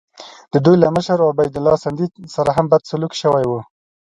د دوی له مشر عبیدالله سندي سره هم بد سلوک شوی وو.